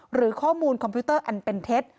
หรือข้อมูลคอมพิวเตอร์อันเป็นเท็จ